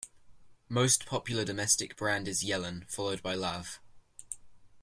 Most popular domestic brand is Jelen, followed by Lav.